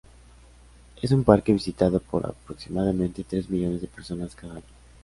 Es un parque visitado por aproximadamente tres millones de personas cada año.